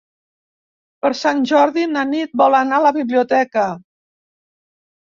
Per Sant Jordi na Nit vol anar a la biblioteca.